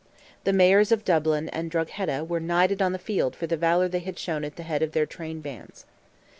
The Mayors of Dublin and Drogheda were knighted on the field for the valour they had shown at the head of their train bands.